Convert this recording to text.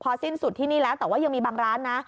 สิ้นสุดที่นี่แล้วแต่ว่ายังมีบางร้านนะ